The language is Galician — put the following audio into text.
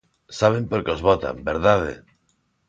¿Saben por que os votan, verdade?